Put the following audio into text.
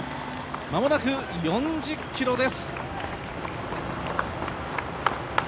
間もなく４０ｋｍです。